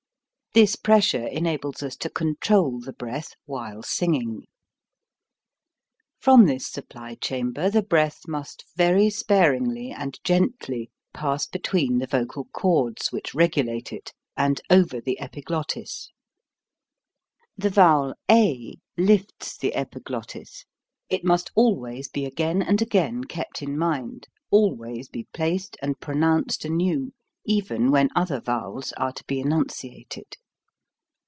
This press ure enables us to control the breath while singing. From this supply chamber the breath must 28 HOW TO SING very sparingly and gently pass between the vocal cords, which regulate it, and over the epiglottis. The vowel a lifts the epiglottis; it must always be again and again kept in mind, always be placed and pronounced anew even when other vowels are to be enunciated.